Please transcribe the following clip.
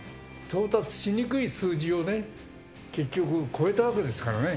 到達しにくい数字をね、結局、超えたわけですからね。